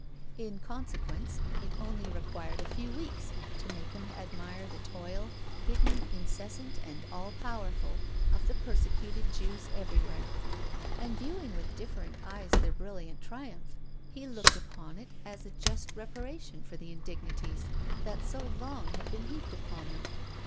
In consequence it only required a few weeks to make him admire the toil, hidden, incessant, and all powerful, of the persecuted Jews everywhere. And, viewing with different eyes their brilliant triumph, he looked upon it as a just reparation for the indignities that so long had been heaped upon them.